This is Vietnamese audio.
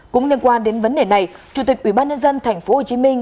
cũng liên quan đến vấn đề này chủ tịch ubnd tp hồ chí minh